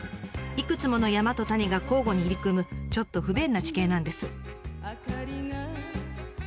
いくつもの山と谷が交互に入り組むちょっと不便な地形なんです。